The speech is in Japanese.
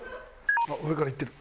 あっ上からいってる。